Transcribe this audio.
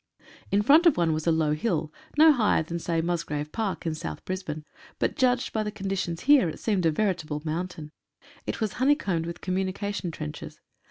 In front of one was a low hill, no higher than, say, Mus grave Park in South Brisbane, but judged by the condi tions here, it seemed a veritable mountain. It was honeycombed with communication trenches.